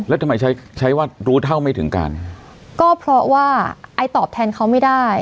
แล้วทำไมใช้ใช้ว่ารู้เท่าไม่ถึงการก็เพราะว่าไอ้ตอบแทนเขาไม่ได้